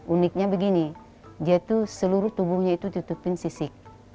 uniknya begini dia itu seluruh tubuhnya itu tutupin sisik